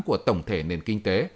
của tổng thể nền kinh tế